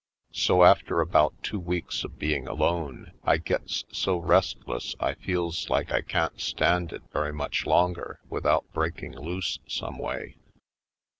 So, after about two weeks of being alone, I gets so restless I feels like I can't stand it very much longer without breaking loose someway.